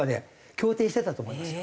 協定してたと思いますよ。